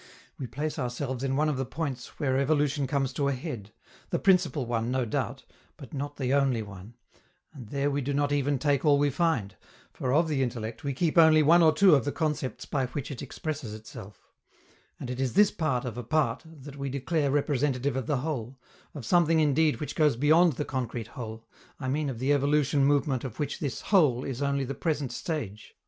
We place ourselves in one of the points where evolution comes to a head the principal one, no doubt, but not the only one; and there we do not even take all we find, for of the intellect we keep only one or two of the concepts by which it expresses itself; and it is this part of a part that we declare representative of the whole, of something indeed which goes beyond the concrete whole, I mean of the evolution movement of which this "whole" is only the present stage!